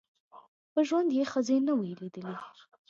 په ژوند یې ښځي نه وې لیدلي